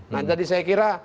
nah jadi saya kira